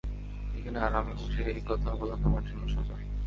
এখানে আরামে বসে এই কথা বলা তোমার জন্য সোজা।